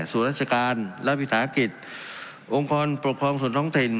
ส่วนราชการและวิธาออกกฤษวงกรปกครองสนท้องถิ่น